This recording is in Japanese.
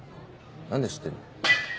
何で知ってるんだ？